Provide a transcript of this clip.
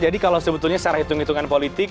jadi kalau sebetulnya secara hitung hitungan politik